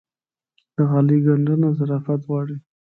د غالۍ ګنډنه ظرافت غواړي.